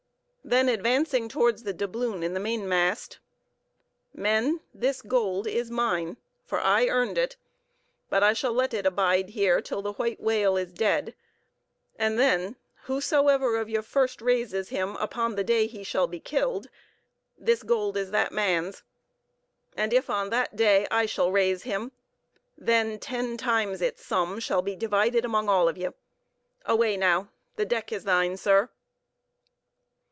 Then advancing towards the doubloon in the mainmast, "Men, this gold is mine, for I earned it; but I shall let it abide here till the white whale is dead; and then, whosoever of ye first raises him, upon the day he shall be killed, this gold is that man's; and if on that day I shall again raise him, then, ten times its sum shall be divided among all of ye! Away now!—the deck is thine, sir."